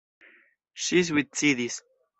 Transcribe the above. Ŝi suicidis.